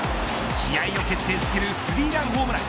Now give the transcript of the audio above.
試合を決定づけるスリーランホームラン。